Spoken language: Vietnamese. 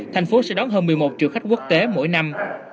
tp hcm sẽ đón hơn một mươi một triệu khách quốc tế mỗi năm